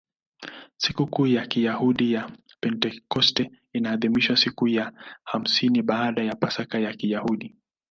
Sikukuu ya Kiyahudi ya Pentekoste inaadhimishwa siku ya hamsini baada ya Pasaka ya Kiyahudi.